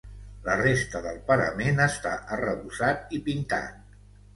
La resta del parament està arrebossat i pintat.